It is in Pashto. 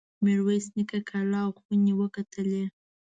میرویس نیکه کلا او خونې وکتلې.